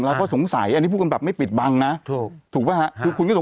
แล้วก็สงสัยอันนี้พูดกันแบบไม่ปิดบังนะถูกป่ะครับ